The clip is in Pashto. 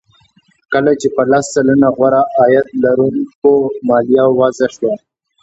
کله چې په لس سلنه غوره عاید لرونکو مالیه وضع شوه